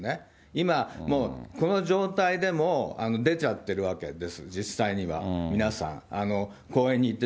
今、もうこの状態でも出ちゃっているわけです、実際には、皆さん、公園に行って。